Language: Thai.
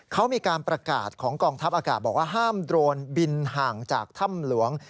เขามีการประกาศของกองทัพอากาศบอกว่าห้ามโดรนบินห่างจากถ้ำหลวง